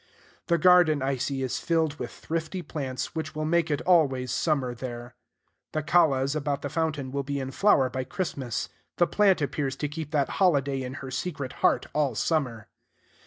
The garden, I see, is filled with thrifty plants, which will make it always summer there. The callas about the fountain will be in flower by Christmas: the plant appears to keep that holiday in her secret heart all summer.